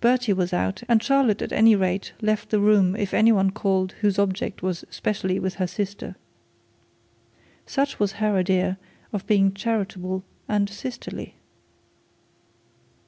Bertie was out, and Charlotte at any rate left the room if any one called whose object was specially with her sister. Such was her idea of being charitable and sisterly.